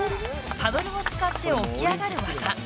パドルを使って起き上がる技。